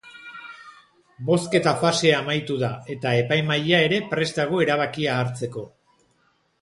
Bozketa-fasea amaitu da, eta epaimahaia ere prest dago erabakia hartzeko.